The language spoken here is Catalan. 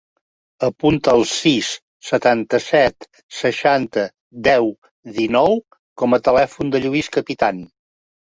Apunta el sis, setanta-set, seixanta, deu, dinou com a telèfon del Lluís Capitan.